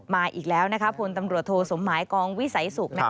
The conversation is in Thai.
มาอีกแล้วนะคะผลตำรวจโทรสมหมายกองวิสัยศุกร์